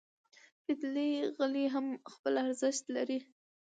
پتېلي غالۍ هم خپل ارزښت لري.